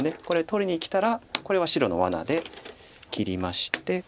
これ取りにきたらこれは白のわなで切りまして。